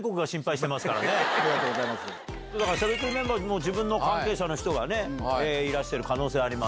しゃべくりメンバーも関係者がいらしてる可能性ありますから。